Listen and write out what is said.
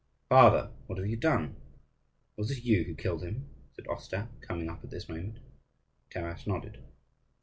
"Father, what have you done? Was it you who killed him?" said Ostap, coming up at this moment. Taras nodded.